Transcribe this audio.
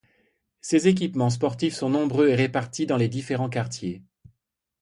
Ses équipements sportifs sont nombreux et répartis dans les différents quartiers.